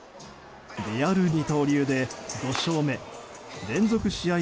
リアル二刀流で５勝目連続試合